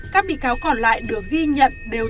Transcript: các bị cáo còn lại được ghi nhận đều